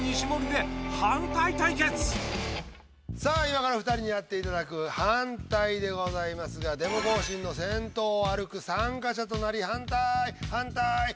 さあ今から２人にやっていただく「反対」でございますがデモ行進の先頭を歩く参加者となり「反対！反対！